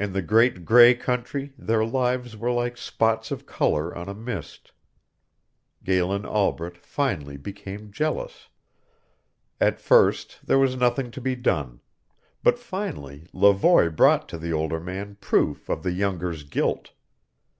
In the great gray country their lives were like spots of color on a mist. Galen Albret finally became jealous. At first there was nothing to be done; but finally Levoy brought to the older man proof of the younger's guilt.